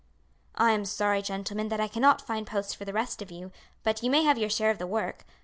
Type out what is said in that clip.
"I am sorry, gentlemen, that I cannot find posts for the rest of you, but you may have your share of the work.